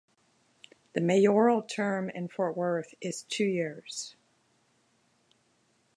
The mayoral term in Fort Worth is two years.